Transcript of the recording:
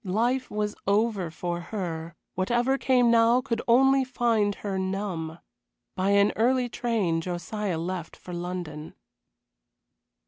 Life was over for her, whatever came now could only find her numb. By an early train Josiah left for London.